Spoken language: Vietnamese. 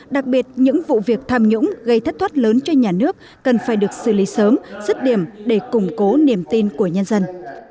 đặc biệt những vụ việc tham nhũng gây thất thoát lớn cho nhà nước cần phải được xử lý sớm rứt điểm để củng cố niềm tin của nhân dân